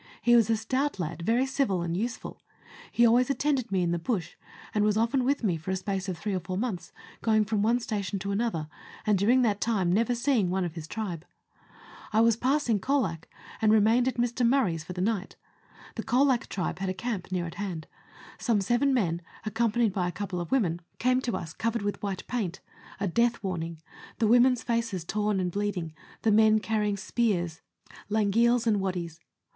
He was a stout lad, very civil and useful. He always attended me in the bush, and was often with me for a space of three or four months, going from one station to another, and during that time never seeing one of his tribe. I was passing Colac, and remained at Mr. Murray's for the night. The Colac tribe had a camp near at hand. Some seven men, accompanied by a couple of women, came to us, covered with white paint a death warning, the women's faces torn and bleeding, the men carrying spears, langeels, and waddies.